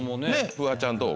フワちゃんどう？